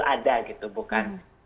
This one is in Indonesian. sebenarnya betul ada gitu